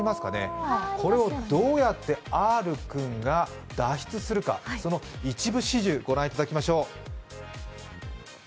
これをどうやってアールくんが脱出するか、その一部始終ご覧いただきましょう。